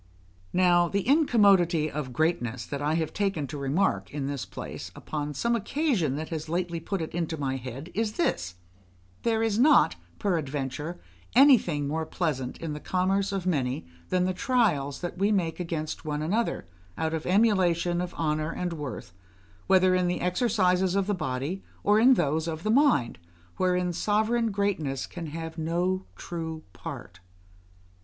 Now, the incommodity of greatness that I have taken to remark in this place, upon some occasion that has lately put it into my head, is this: there is not, peradventure, anything more pleasant in the commerce of many than the trials that we make against one another, out of emulation of honour and worth, whether in the exercises of the body or in those of the mind, wherein sovereign greatness can have no true part.